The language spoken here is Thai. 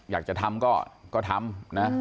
อยากจะทำก็ทำนะ